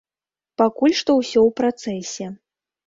Пакуль што ўсё ў працэсе.